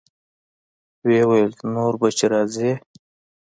ويې ويل نور به چې راځې.